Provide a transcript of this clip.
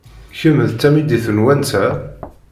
Kemm d tamidit n wanta?